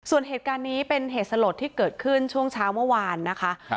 ส่วนเหตุการณ์นี้เป็นเหตุสลดที่เกิดขึ้นช่วงเช้าเมื่อวานนะคะ